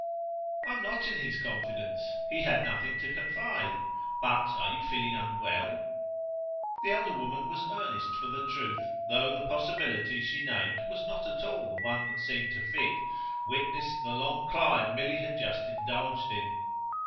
"I'm not in his confidence he had nothing to confide. But are you feeling unwell?" The elder woman was earnest for the truth, though the possibility she named was not at all the one that seemed to fit witness the long climb Milly had just indulged in.